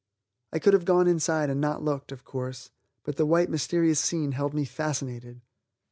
I could have gone inside and not looked, of course, but the white, mysterious scene held me fascinated.